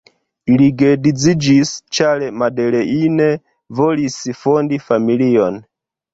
Ili geedziĝis, ĉar Madeleine volis fondi familion.